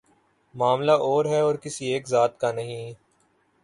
معاملہ اور ہے اور کسی ایک ذات کا نہیں۔